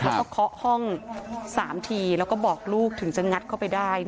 แล้วก็เคาะห้อง๓ทีแล้วก็บอกลูกถึงจะงัดเข้าไปได้